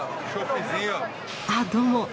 あっどうも。